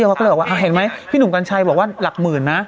เขาก็เลยบอกว่าเห็นไหมพี่หนุ่มกัญชัยบอกว่าหลักหมื่นนะ